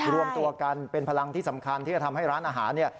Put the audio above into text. รวมตัวกันเป็นพลังที่สำคัญที่จะทำให้ร้านอาหารเนี่ย